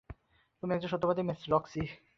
তুমি একজন সত্যবাদী মেয়ে, রক্সি।